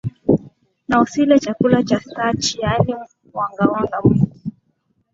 na usile chakula cha starchi yaani wanga wanga mwingi